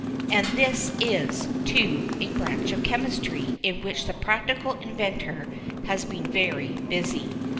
And this is, too, a branch of chemistry in which the practical inventor has been very busy.